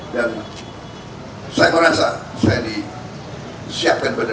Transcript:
dan saya merasa saya disiapkan benar benar